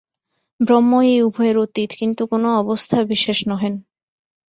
ব্রহ্ম এই উভয়ের অতীত, কিন্তু কোন অবস্থাবিশেষ নহেন।